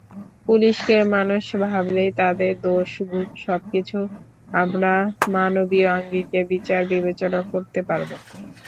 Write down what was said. পুলিশকে মানুষ ভাবলেই তাদের দোষ-গুণ সবকিছু আমরা মানবীয় আঙ্গিকে বিচার-বিবেচনা করতে পারব।